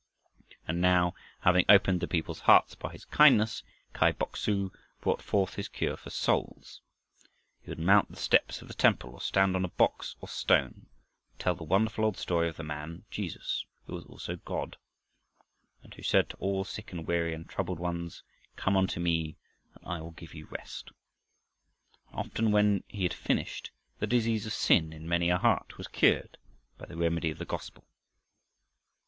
And now, having opened the people's hearts by his kindness, Kai Bok su brought forth his cure for souls. He would mount the steps of the temple or stand on a box or stone, and tell the wonderful old story of the man Jesus who was also God, and who said to all sick and weary and troubled ones, "Come unto me,... and I will give you rest." And often, when he had finished, the disease of sin in many a heart was cured by the remedy of the gospel.